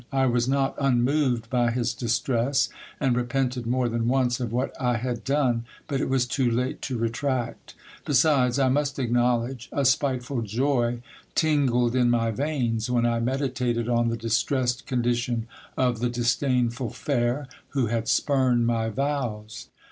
I was not unmoved by his distress, and repented more than once of what I had done ; but it was too late to retract. Besides, I must acknow ledge, a spiteful joy tingled in my veins, when I meditated on the distressed condition of the disdainful fair, who had spurned my vows.